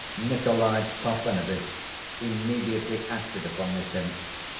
Nikolay Parfenovitch immediately acted upon this hint.